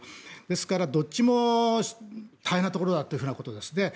ですから、どっちも大変なところだということです。